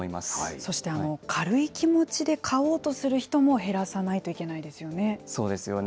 そして軽い気持ちで飼おうとする人も減らさないといけないでそうですよね。